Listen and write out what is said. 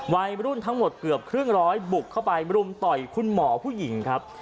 วัยรุ่นทั้งหมดเกือบครึ่งร้อยบุกเข้าไปรุมต่อยคุณหมอผู้หญิงครับ